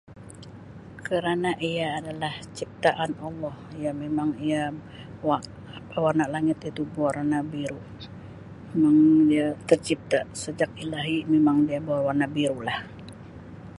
Kerana ia adalah ciptaan Allah ya memang ia warna langit itu bewarna biru memang dia tercipta sejak ilahi memang dia berwarna biru lah.